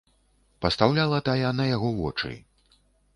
Пастаўляла тая на яго вочы.